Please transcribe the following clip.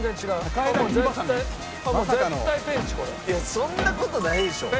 「いやそんな事ないでしょ」